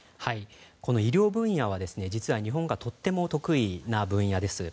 この医療分野は実は日本がとても得意な分野です。